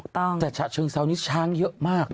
แต่ชะเชิงเซานี่ช้างเยอะมาก